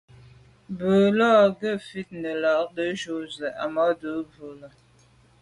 Bú lá' gə́ fít nə̀ lɑgdə̌ jú zə̄ Ahmadou rə̂ bú.